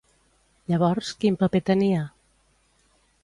Llavors, quin paper tenia?